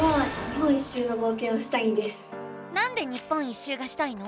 わたしはなんで日本一周がしたいの？